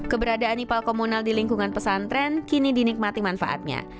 keberadaan ipal komunal di lingkungan pesantren kini dinikmati manfaatnya